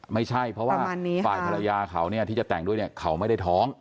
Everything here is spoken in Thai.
ไม่ใช่เพราะว่าฝ่ายภรรยาเขาเนี่ยที่จะแต่งด้วยเนี่ยเขาไม่ได้ท้อง